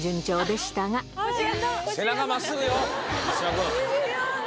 背中真っすぐよ！